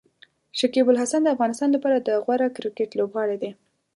شکيب الحسن د افغانستان لپاره د غوره کرکټ لوبغاړی دی.